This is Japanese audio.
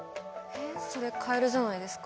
えっそりゃカエルじゃないですか？